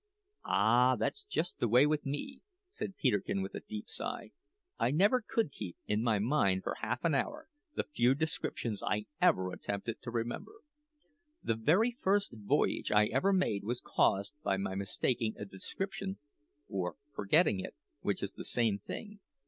"Ah! that's just the way with me," said Peterkin with a deep sigh. "I never could keep in my mind for half an hour the few descriptions I ever attempted to remember. The very first voyage I ever made was caused by my mistaking a description or forgetting it, which is the same thing.